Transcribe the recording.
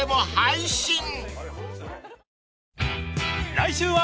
［来週は］